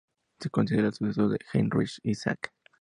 Se considera el sucesor de Heinrich Isaac.